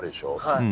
はい。